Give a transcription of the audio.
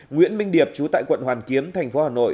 nguyễn minh điệp chú tại quận hoàn kiếm thành phố hà nội